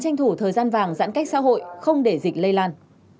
cố gắng tranh thủ thời gian vàng giãn cách xã hội không để dịch lây lan